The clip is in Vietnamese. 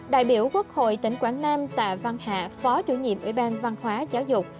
đại biểu quốc hội tỉnh quảng nam tạ văn hạ phó chủ nhiệm ủy ban văn hóa giáo dục